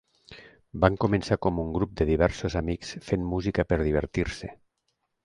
Van començar com un grup de diversos amics fent música per divertir-se.